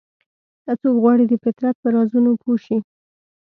که څوک غواړي د فطرت په رازونو پوه شي.